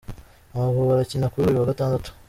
Amavubi arakina kuri uyu wa Gatandatu